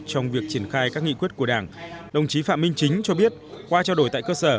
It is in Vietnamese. trong việc triển khai các nghị quyết của đảng đồng chí phạm minh chính cho biết qua trao đổi tại cơ sở